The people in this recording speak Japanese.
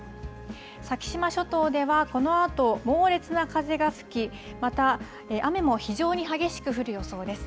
先島諸島ではこのあと、猛烈な風が吹き、また、雨も非常に激しく降る予想です。